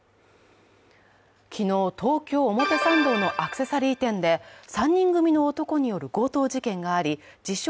昨日、東京・表参道のアクセサリー店で３人組の男による強盗事件があり自称・